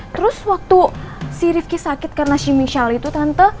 terus waktu si rifki sakit karena si michelle itu tante